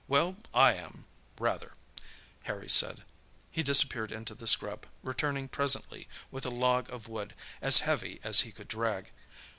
"Well, I am—rather," Harry said. He disappeared into the scrub, returning presently with a log of wood as heavy as he could drag.